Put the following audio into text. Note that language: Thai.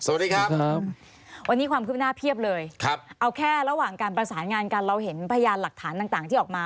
วันนี้ความคืบหน้าเทียบเลยเอาแค่ระหว่างการบรรตาศาลงานกันเราเห็นพญานหลักฐานต่างที่ออกมา